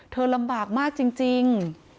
ลำบากมากจริง